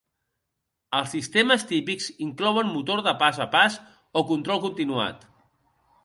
Els sistemes típics inclouen motor de pas a pas o control continuat.